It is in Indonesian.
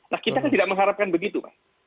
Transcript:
nah kita tidak mengharapkan begitu